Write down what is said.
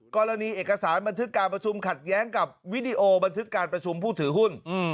กรณีเอกสารบันทึกการประชุมขัดแย้งกับวิดีโอบันทึกการประชุมผู้ถือหุ้น